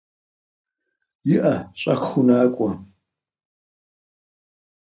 ИӀэ, щӀэхыу накӏуэ.